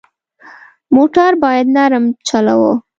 موټر باید نرم چلوه.